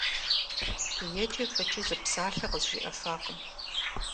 ЕкӀи фӀыкӀи зы псалъэ къызжиӀэфакъым.